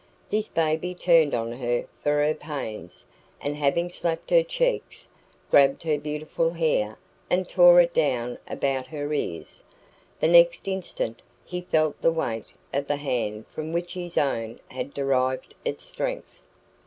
This baby turned on her for her pains, and having slapped her cheeks, grabbed her beautiful hair and tore it down about her ears. The next instant he felt the weight of the hand from which his own had derived its strength.